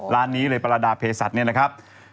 ร้านนี้เลยประรดาเพศัตริย์เนี่ยนะครับ